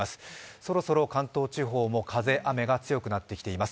そろそろ関東地方も風・雨が強くなってきています。